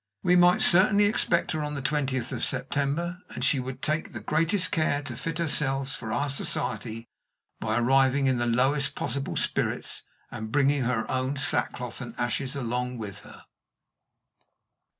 We might certainly expect her on the twentieth of September, and she would take the greatest care to fit herself for our society by arriving in the lowest possible spirits, and bringing her own sackcloth and ashes along with her.